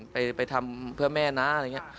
ไปทำเพื่อแม่นะอะไรอย่างนี้